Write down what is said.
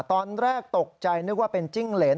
ตอนแรกตกใจนึกว่าเป็นจิ้งเหรน